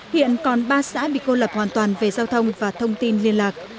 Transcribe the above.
hiện còn ba xã bị cô lập hoàn toàn về giao thông và thông tin liên lạc